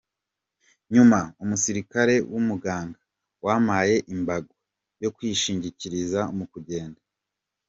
Nyuma, umusirikare w’umuganga yampaye imbago yo kwishingikiriza mu kugenda.